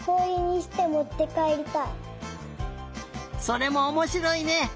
それもおもしろいね！